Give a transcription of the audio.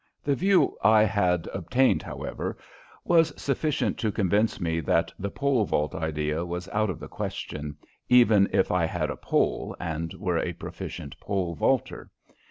The view I had obtained, however, was sufficient to convince me that the pole vault idea was out of the question even if I had a pole and were a proficient pole vaulter.